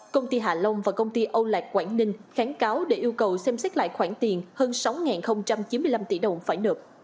công ty hạ long và công ty âu lạc quảng ninh kháng cáo để yêu cầu xem xét lại khoản tiền hơn sáu chín mươi năm tỷ đồng phải nợ